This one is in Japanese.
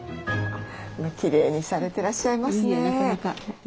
きれいにされてらっしゃいますね。